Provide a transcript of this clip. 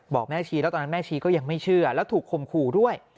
บอกแม่ชีแล้วตอนนั้นแม่ชีก็ยังไม่เชื่อแล้วถูกคมขู่ด้วย